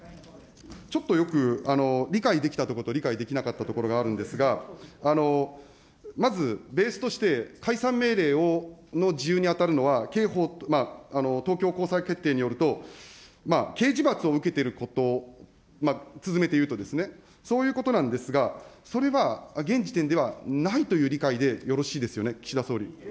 ちょっとよく理解できたところと理解できなかったところがあるんですが、まずベースとして、解散命令の事由に当たるのは、刑法、東京高裁決定によると、刑事罰を受けてること、つづめて言うと、そういうことなんですが、それは現時点ではないという理解でよろしいですよね、岸田総理。